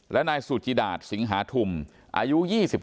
และนายสุจิดาตสิงหาทุมอายุ๒๖